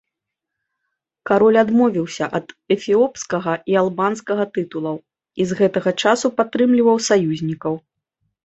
Кароль адмовіўся ад эфіопскага і албанскага тытулаў і з гэтага часу падтрымліваў саюзнікаў.